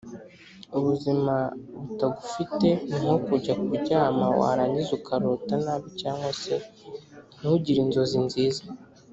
Ubuzima butagufite ni nko kujya kuryama warangiza ukarota nabi cyangwa se ntugire inzozi nziza